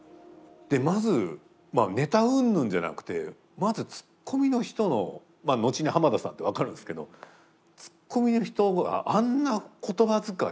まずネタうんぬんじゃなくてまずツッコミの人の後に浜田さんって分かるんですけどツッコミの人があんな言葉遣いであんな